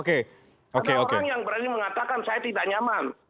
ada orang yang berani mengatakan saya tidak nyaman